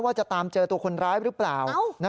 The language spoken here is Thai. ว่าจะตามเจอตัวคนร้ายหรือเปล่า